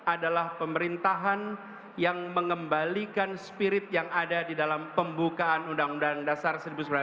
adalah pemerintahan yang mengembalikan spirit yang ada di dalam pembukaan undang undang dasar seribu sembilan ratus empat puluh lima